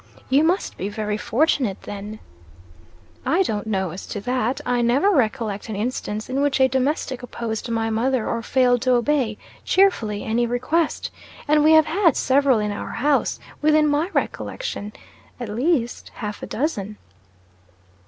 "You must be very fortunate then." "I don't know as to that. I never recollect an instance in which a domestic opposed my mother or failed to obey, cheerfully, any request. And we have had several in our house, within my recollection. At least half a dozen."